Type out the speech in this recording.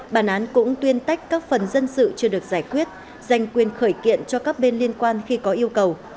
bản án cũng tuyên tách các phần dân sự chưa được giải quyết dành quyền khởi kiện cho các bên liên quan khi có yêu cầu